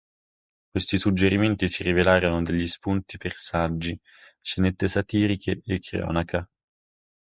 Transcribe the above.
Questi "suggerimenti" si rivelarono degli spunti per saggi, scenette satiriche e cronaca.